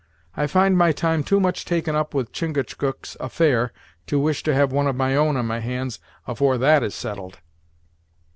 I find my time too much taken up with Chingachgook's affair, to wish to have one of my own on my hands afore that is settled."